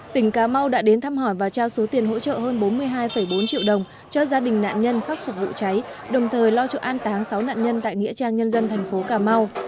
tỉnh cà mau đã đến thăm hỏi và trao số tiền hỗ trợ hơn bốn mươi hai bốn triệu đồng cho gia đình nạn nhân khắc phục vụ cháy đồng thời lo cho an táng sáu nạn nhân tại nghĩa trang nhân dân thành phố cà mau